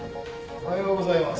おはようございます。